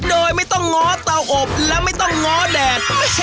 โดยไม่ต้องง้อเตาอบและไม่ต้องง้อแดด